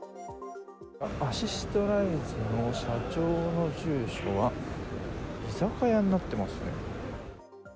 アシストライズの社長の住所は居酒屋になってますね。